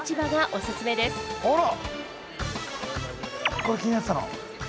これ気になってたの。